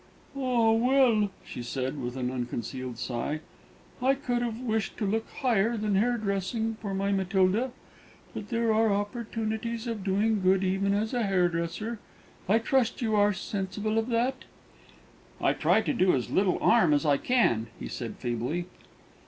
"Ah! well," she said, with an unconcealed sigh, "I could have wished to look higher than hairdressing for my Matilda; but there are opportunities of doing good even as a hairdresser. I trust you are sensible of that." "I try to do as little 'arm as I can," he said feebly.